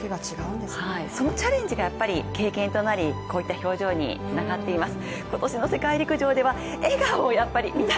そのチャレンジが経験となり、こういった表情につながっています。